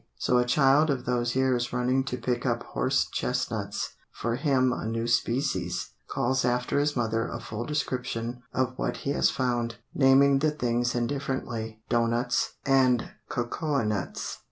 So a child of those years running to pick up horse chestnuts, for him a new species, calls after his mother a full description of what he has found, naming the things indifferently "dough nuts" and "cocoa nuts."